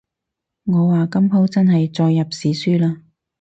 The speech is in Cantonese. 我話今舖真係載入史書喇